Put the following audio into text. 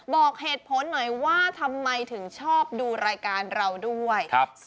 บอกเหตุผลหน่อยว่าทำไมถึงชอบดูรายการเราด้วย